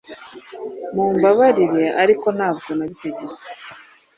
Mumbabarire ariko ntabwo nabitegetse